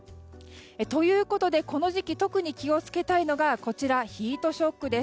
ということでこの時期、特に気を付けたいのがヒートショックです。